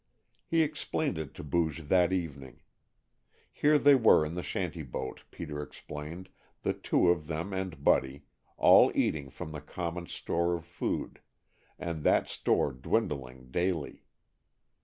He explained it to Booge that evening. Here they were in the shanty boat, Peter explained, the two of them and Buddy, all eating from the common store of food, and that store dwindling daily.